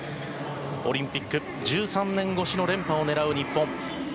オリンピック１３年越しの連覇を狙う日本。